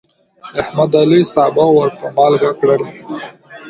احمد د علي سابه ور په مالګه کړل.